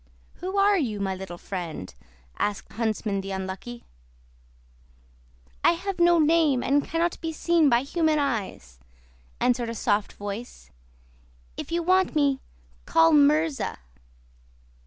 "Who are you, my little friend?" asked Huntsman the Unlucky. "I have no name, and cannot be seen by human eyes," answered a soft voice. "If you want me, call 'Murza!